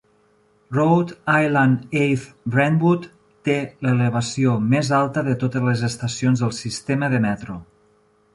Rhode Island Ave-Brentwood té l'elevació més alta de totes les estacions del sistema de metro.